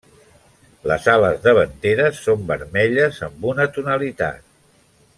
Les ales davanteres són vermelles amb una tonalitat.